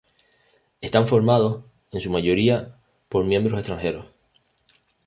Están formados, en su mayoría, por miembros extranjeros.